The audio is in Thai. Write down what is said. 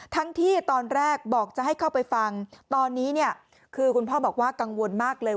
ที่ตอนแรกบอกจะให้เข้าไปฟังตอนนี้เนี่ยคือคุณพ่อบอกว่ากังวลมากเลย